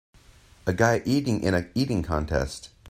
A guy eating in a eating contest.